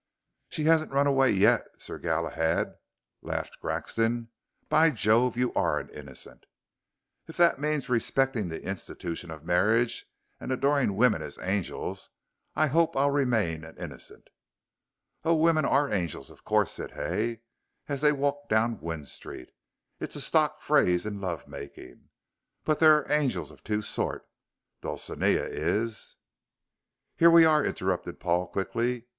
"She hasn't run away yet, Sir Galahad," laughed Grexon. "By Jove, you are an innocent!" "If that means respecting the institution of marriage and adoring women as angels I hope I'll remain an innocent." "Oh, women are angels, of course," said Hay as they walked down Gwynne Street; "it's a stock phrase in love making. But there are angels of two sorts. Dulcinea is " "Here we are," interrupted Paul, quickly.